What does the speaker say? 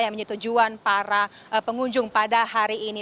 yang menyetujuan para pengunjung pada hari ini